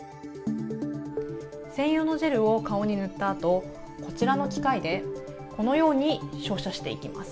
専用のジェルを顔に塗ったあと、こちらの機械でこのように照射していきます。